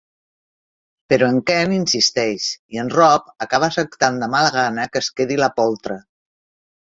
Però en Ken insisteix i en Rob acaba acceptant de mala gana que es quedi la poltra